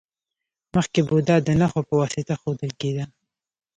مخکې بودا د نښو په واسطه ښودل کیده